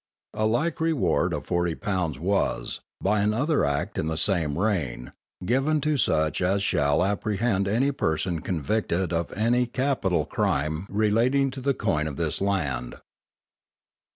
_ _A like reward of forty pounds was, by another Act in the same reign, given to such as shall apprehend any person convicted of any capital crime relating to the coin of this land.